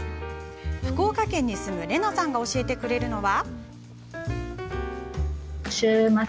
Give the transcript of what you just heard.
福岡県に住むれなさんが教えてくれるのは。